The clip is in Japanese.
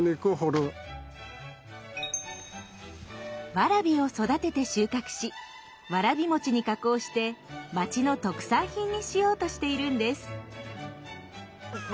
ワラビを育てて収穫しわらびに加工して町の特産品にしようとしているんです。